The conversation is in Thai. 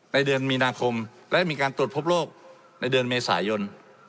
ในเดือนมีนาคมและมีการตรวจพบโรคในเดือนเมษายน